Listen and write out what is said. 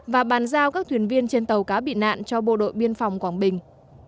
và bàn giao các thuyền viên trên tàu cá bị nạn cho bộ đội biên phòng quảng bình